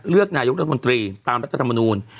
เลือกนายกรัฐมนตรีตามรัฐธรรมนูล